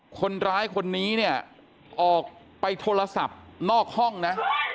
คนร้ายคนนี้เนี่ยออกไปโทรศัพท์นอกห้องนะ